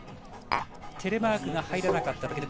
テレマークが入らなかった。